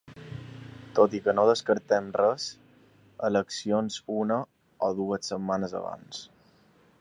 Tot i que no descartem res: eleccions una o dues setmanes abans.